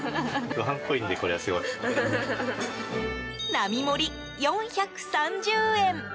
並盛り４３０円。